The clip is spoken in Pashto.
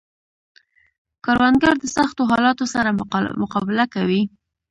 کروندګر د سختو حالاتو سره مقابله کوي